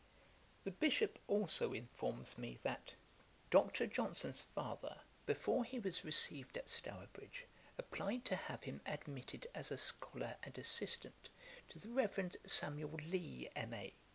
The Bishop also informs me, that 'Dr. Johnson's father, before he was received at Stourbridge, applied to have him admitted as a scholar and assistant to the Reverend Samuel Lea, M.A.